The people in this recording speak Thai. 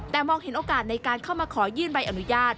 แต่มองเห็นโอกาสในการเข้ามาขอยื่นใบอนุญาต